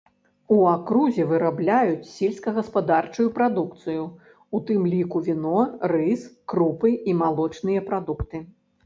У акрузе вырабляюць сельскагаспадарчую прадукцыю, у тым ліку віно, рыс, крупы і малочныя прадукты.